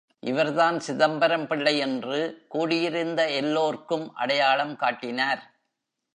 இவர் தான் சிதம்பரம் பிள்ளை என்று கூடியிருந்த எல்லோருக்கும் அடையாளம் காட்டினார்.